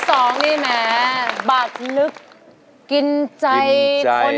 ร้องได้แบบนี้รับแล้วค่า๒๐๐๐๐บาท